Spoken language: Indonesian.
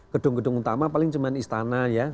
gedung gedung utama paling cuma istana ya